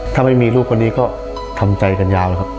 ถ้าไม่มีลูกคนนี้ก็ทำใจกันยาวนะครับ